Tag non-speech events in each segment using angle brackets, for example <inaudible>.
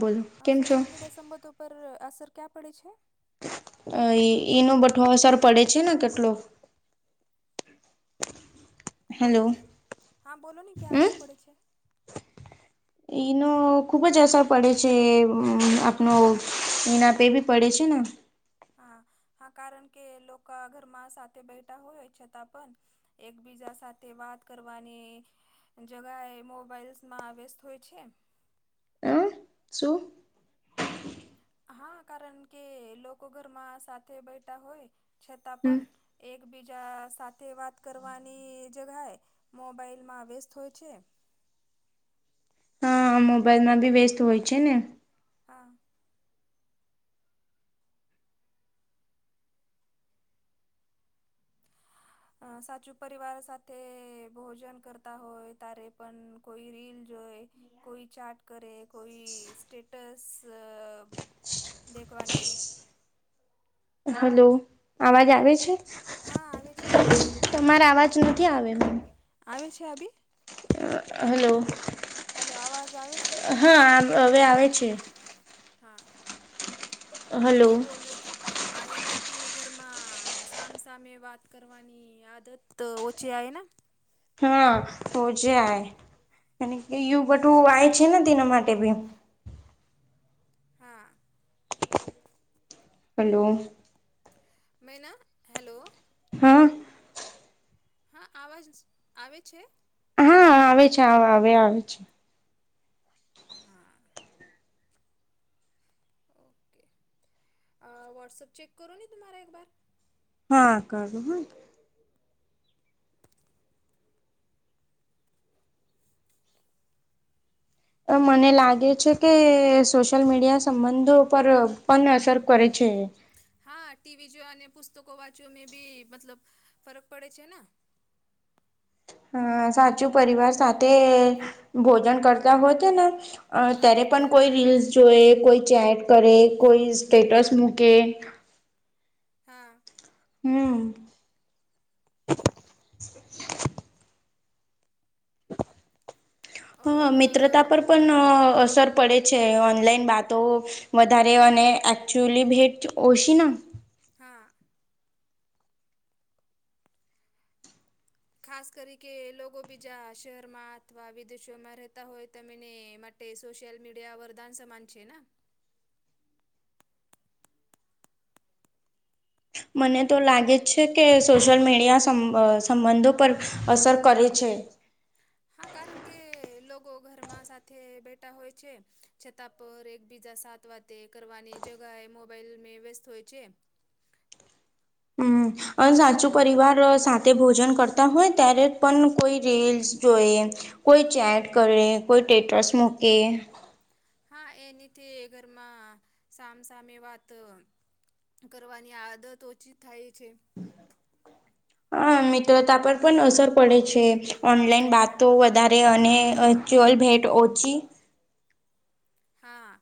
બોલો આ કેમ છો સોશિયલ મીડિયા સંબતો પર અસર ક્યાં પડે છે અ એ એનો બધો અસર પડે છે ને કેટલો બોલો હેલો ને હા બોલોને ક્યા અસર પડે છે ઈનો ખુબ જ અસર પડે છે આપનો ના પે બી પડે છે ને હા હા કારણ કે લોકો ઘરમાં સાથે બેઠા હોય છતા પણ એકબીજા સાથે વાત કરવાની જગા એ મોબાઈલ્સમાં વ્યસ્ત હોય છે હ શું હા કારણ કે લોકો ઘરમાં સાથે બેઠા હોય છતાં હમ પણ એક બીજા સાથે વાત કરવાની જગાએ મોબાઈલમાં વ્યસ્ત હોય છે હ મોબાઈલમાં ભી વ્યસ્ત હોય છે ને હા. <unintelligible> અ સાચું પરિવાર સાથે ભોજન કરતા હોય તારે પણ કોઈ રીલ જોય કોઈ ચાર્ટ કરે કોઈ સ્ટેટસ અ દેખવાની હલો. અવાજ આવે છે હા આવે છે તમારે અવાજ નથી આવે મને આવે છે અભી? હલો હલો અવાજ આવે છે હા આ હવે આવે છે. હા તો હલો મેં બોલ રહી તી એનાથી ઘરમાં સામસામે વાત કરવાની આદત ઓછી આવે ના હા તોજ આ અને બધું આવેય છે ને તેના માટે ભી હા. હલો. મેના હેલો. હા હા આવાજ આવે છે. હા આવે છે આ આવે આવે છે. હા ઓકે અ વોટ્સઅપ ચેક કરો નેહી એકબાર. હા ક હ મને લાગે છે કે સોશિયલ મીડિયા સંબંધો પર પણ અસર કરે છે. હા ટીવી જો અને પુસ્તકો વાંચવા બી મતલબ ફરક પડે છે ને અ સાચું પરિવાર સાથે ભોજન કરતા હોય છે ને હા ત્યારે પણ કોઈ રીલ્સ જોએ કોઈ ચેટ કરે કોઈ સ્ટેટસ મૂકે હા. હું <unintelligible> હ મિત્રતા પર પણ‌ અ અસર પડે છે ઓનલાઈન વાતો વધારે અને એકચુઅલી ભેટ ઓશી ના ના હા. ખાસ કરી કે લોકો બીજા શહેરમાં અથવા વિદેશોમાં રહેતા હોય તો એને તે સોશિલ મીડિયા વરદાન સમાન છે ના મને તો લાગે જ છે કે સોશિયલ મીડિયા સમ સંબંધો પર અસર કરે છે. હા કારણ કે લોકો ઘરમાં સાથે બેઠા હોય છે. છતાં પર એકબીજા સાત વાતે કરવાની જગાએ મોબાઈલ મે વ્યસ્ત હોય છે. હમ અને સાચું પરિવાર સાથે ભોજન કરતા હોય ત્યારે પણ કોઈ રેલસ જોઈએ કોઈ ચેટ કરે કોઈ ટેટસ મૂકે હા એનીથી ઘરમાં સામસામી વાત કરવાની આદત ઓછી થાય છે. હ મિત્રતા પર પણ અસર પડે છે ઓનલાઈન વાતો વધારે અને જ્લ ભેટ ઓછી હા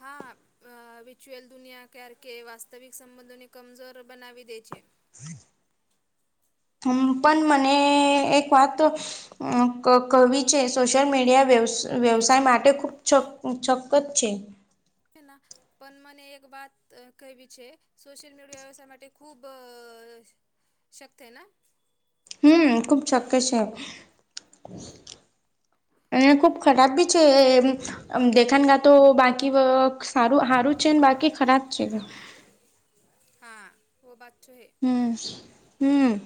હા વિચ્યુઅલ દુનિયા ક્યારેકે વાસ્તવિક સંબંધોને કમજોર બનાવી દે છે. હ <inaudible> પણ મને એક વાત તો ક કવિ છે સોશિયલ મીડિયા વ્ય વ્યવસાય માટે ખૂબ છો છોક્કત છે. છે ના પણ મને એક વાત કહેવી છે સોશિયલ મીડિયા વ્યવસાય માટે ખૂબ અ શક્યના હમ ખુબ ચોક્કસ છે અને ખુબ ખરાબ બી છે એ દેખન ગ તો બાકી વ સારું સારું છે બાકી ખરાબ છે હા વ બાત તો‌ હૈ હમ હમ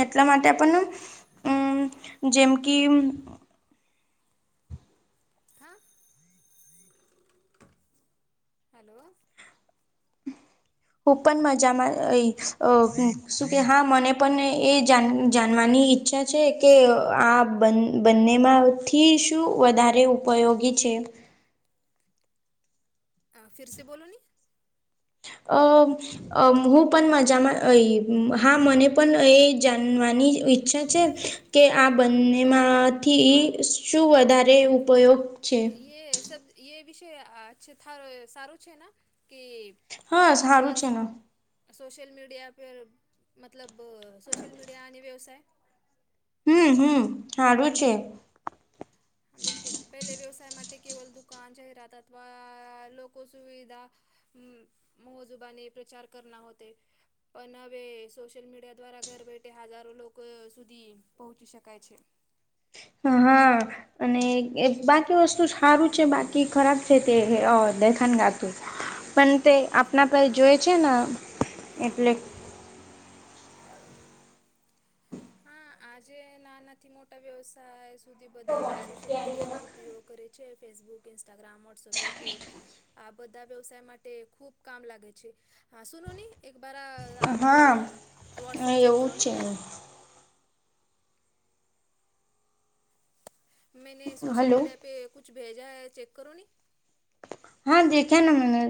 એટલા માટે પણ અમ જેમકી હા હલો ખૂબ પણ મજામાં શું કે હા મને પણ એ જાણવાની ઈચ્છા છે કે આ બ બંનેમાંથી શું વધારે ઉપયોગી છે? હ ફિરસે બોલો ની અ અ હું પણ મજામાં હા મને પણ એ જાણવાની ઈચ્છા છે. કે આ બંનેમાંથી શું વધારે ઉપયોગ છે એ સબ એ વિષય સારું છે ન કે અ હા ખુબ સારું જ છે ને સોશલ મીડિયા પે મતલબ સોશિલ મીડિયા અને વ્યવસાય હમ હમ હારું છે. બિલકુલ પેલે વ્યવસાય માટે કેવલ દુકાન જાહેરાત અથવા લોકો સુવિધા હમ મોજુબાને પ્રચાર કરના હોતે પણ હવે સોશિયલ મીડિયા દ્વારા ઘર બેઠે હજારો લોકો સુધી પહોંચી શકાય છે. હા અને બાકી વસ્તુ સારું છે બાકી ખરાબ છે તે દેખન ગાતું પણ તે હા આપણા પરસે જોએ છે ને હા એટલે હા આજે નાનાથી મોટા વ્યવસાય સુધી બધા સોશિયલ મીડિયા નો ઉપયોગ- કરે ફેસબુક, ઈન્સ્ટાગ્રામ, વોટ્સઅપ, યુટ્યુબ આ બધા વ્યવસાય માટે ખુબ કામ લાગે છે હા સુનો નની એક બરા તો આપ હા વોટ્સઅપ ચેક એવું કરો ને છે તુમારા મેને સોશલ હલો મીડિયા પે કુછ ભેજા હ ચેક કરો ને હા દેખે ન મેને.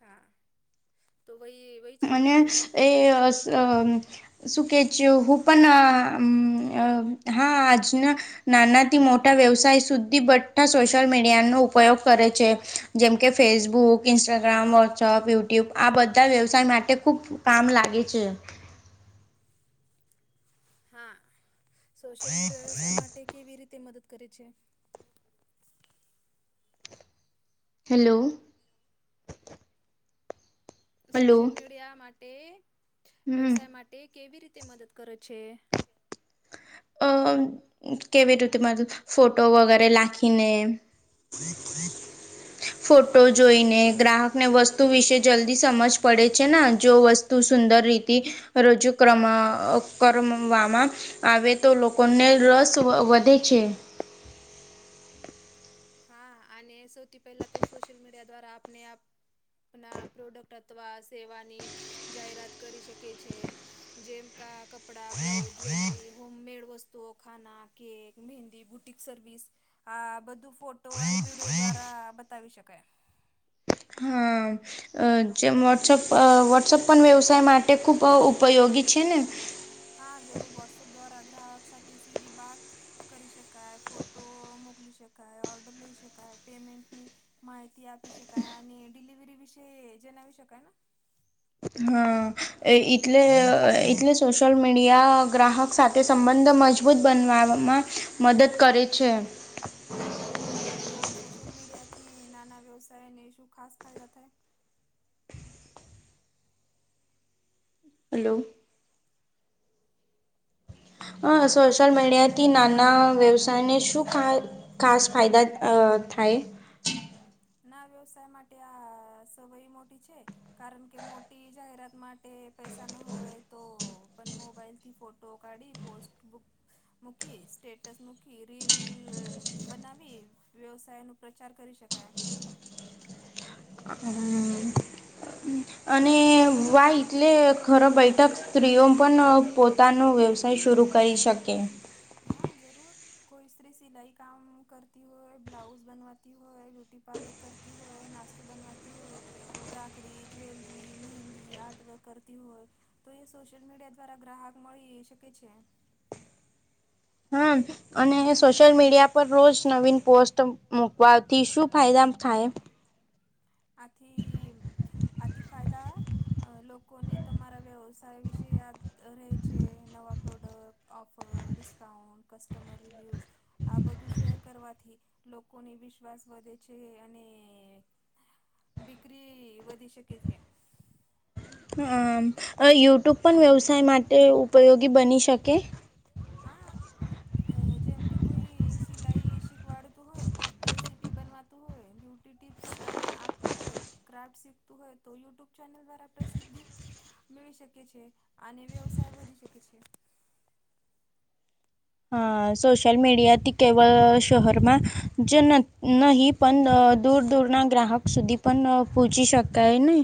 હા તો ભાઈ અને એ સુકેચ હ પણ હા આજના નાનાથી મોટા વ્યવસાય સુધી બધા સોશિયલ મીડિયાનો ઉપયોગ કરે છે જેમકે ફેસબુક ઇન્સ્ટાગ્રામ વોટ્સઅપ યુટ્યુબ આ બધા વ્યવસાય માટે ખુબ કામ લાગે છે. હા સોશિલ મીડિયા તે કેવી રીતે મદદ કરે છે? હેલો હલો સોશિયલ મીડિયા માટે હમ વ્યવસાય માટે કેવી રીતે મદદ કરે છે? અ કેવી રીતે મતલબ ફોટો વગેરે લખીને <inaudible> ફોટો સૌથી પહેલે તો જોઈને ગ્રાહકને વસ્તુ વિશે જલ્દી સમજ પડે છે ને જો વસ્ત તુ સુંદર રીતિ રજૂ કર કરવામાં આવે તો લોકોને રસ વધે છે. હા અને સૌથી પહેલા તો સોશિયલ મીડિયા દ્વારા આપને આપ ના પ્રોડક્ટ અથવા સેવાની જાહેરાત કરી શકે છે. જેમકા કપડાં, બ્લાઉજ, જ્વેલરી, હોમમેડ વસ્તુઓ, ખાના કેક, મહેંદી, બુટિક સર્વિસ આ બધું ફોટો એન્ડ વિડીયો દ્વારા બતાવી શકાય. હા અ જેમ વોટ્સઅપ વોટ્સઅપ પણ વ્યવસાય માટે ખૂબ ઉપયોગી છે ને. હા જરૂર વોટ્સઅપ દ્વારા ગ્રાહક સાથે સીધી બાત કરી શકાય ફોટો મોકલી શકાય ઓર્ડર લઈ શકાય પેમેન્ટની માહિતી આપી શકાય અને ડિલિવરી વિશે જણાવી શકાય હા. એટલે એટલે સોશિયલ મીડિયા ગ્રાહક સાથે સંબંધો મજબૂત બનાવામાં મદદ કરે છે. હા સોશિયલ મીડિયા થી નાના વ્યવસાયને શું ખાસ ફાયદા થાય? હલો. હ સોશિયલ મીડિયાથી નાના વ્યવસાયને શું ખા ખાસ ફાયદા થાય? ના વ્યવસાય માટે આ સય મોટી છે. કારણ કે મોટી જાહેરાત માટે પૈસા ના હોય તો પણ મોબાઈલ થી ફોટો ફોટો કાઢી પોસ્ટ બુક મુકી સ્ટેટસ મૂકી રીલ બનાવી વ્યવસાય ન પ્રચાર કરી શકાય હમ. અને વાહ એટલે ખરો બેઠક સ્ત્રીઓ પણ પોતાનો વ્યવસાય શરૂ કરી શકે. હા જરૂર. કોઈ સ્ત્રી સિલાઈ કામ કરતી હોય બ્લાઉઝ બનવાતી હોય બ્યુટી પાર્લર કરતી હોય નાસ્તો બનવાતી હોય રાખડી જ્વેલરી મેહંદી આર્ટ વર્ક કરતી હોય. તો એ સોશિયલ મીડિયા દ્વારા ગ્રાહક મળી શકે છે. હમ. અને સોશિયલ મીડિયા પર રોજ નવીન પોસ્ટ મૂકવાથી શું ફાયદા થાય? આથી અતિ ફાયદા અ લોકોને તમારા વ્યવસાય વિશે યાદ રહે છે નવા product offer discount customer reviews આ બધું શેર કરવાથી લોકોને વિશ્વાસ વધે છે, અને બિકરી વધી શકે છે. યુટ. યુટ્યુબ પણ વ્યવસાય માટે બની ઉપયોગી શકે. બની શકે અ જેમ કે કોઈ સિલાઈ શીખવાડતું હોય રેસીપી બનવાતું હોય બ્યુટી ટીપ્સ આપતું હોય. ક્રાફ્ટ શીખતું હોય તો યુટ્યુબ ચેનલ દ્વારા પ્રસિદ્ધિ મેળવી શકે શકે છે અને વ્યવસાય વધી શકે છે. હા. સોશિયલ મીડિયાથી કેવળ શહેરમાં જ ન નહીં પણ દૂર દૂરના ગ્રાહક સુધી પણ પહોંચી શકાય ને.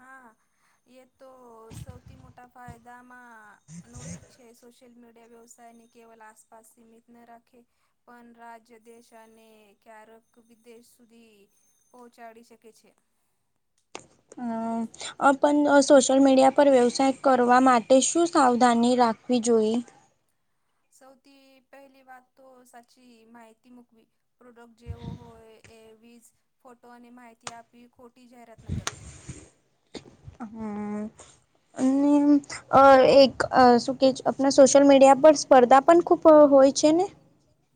હા એ તો સૌથી મોટા ફાયદામાં નો એક છે સોશિયલ મીડિયા વ્યવસાય ને કેવલ આસપાસ સીમિત ન રાખે પણ રાજ્ય દેશ અને ક્યારેક વિદેશ સુધી પહોંચાડી શકે છે. પણ સોશિયલ મીડિયા પર વ્યવસાય કરવા માટે માટે શું સાવધાની રાખવી જોઈએ. સૌથી પહેલી વાત તો સાચી માહિતી મુકવી. પ્રોડક્ટ જેવો હોય એવી જ ફોટો અને માહિતી આપવી ખોટી જાહેરાત ન કરવી. હમ અને અ એક શું કેહે આપણા સોશિયલ મીડિયા પર સ્પર્ધા પણ ખૂબ હોય છે ને? છે ને.